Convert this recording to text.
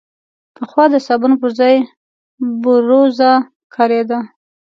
پخوا د صابون پر ځای بوروزه کارېده.